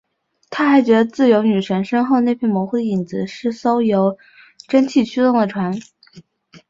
他还觉得自由女神身后那片模糊的影子是艘由蒸汽驱动的船。